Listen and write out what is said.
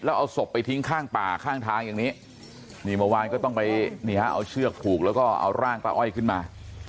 แล้วเอาศพไปทิ้งข้างป่าข้างทางอย่างนี้นี่เมื่อวานก็ต้องไปนี่ฮะเอาเชือกผูกแล้วก็เอาร่างป้าอ้อยขึ้นมา